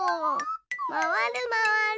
まわるまわる！